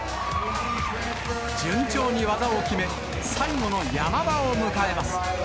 順調に技を決め、最後のヤマ場を迎えます。